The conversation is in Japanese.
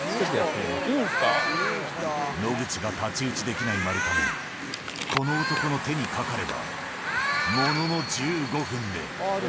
野口が太刀打ちできない丸太も、この男の手にかかれば、ものの１５分で。